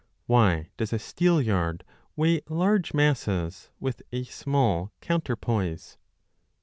Why does a steelyard weigh large masses with a small counter poise